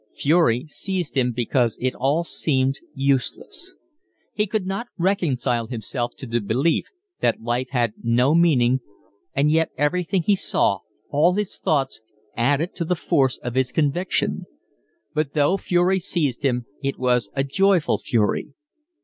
Fury seized him because it all seemed useless. He could not reconcile himself to the belief that life had no meaning and yet everything he saw, all his thoughts, added to the force of his conviction. But though fury seized him it was a joyful fury.